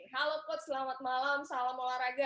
halo coach selamat malam salam olahraga